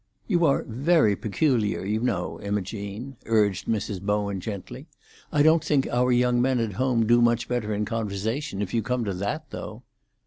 "You are very peculiar, you know, Imogene," urged Mrs. Bowen gently. "I don't think our young men at home do much better in conversation, if you come to that, though."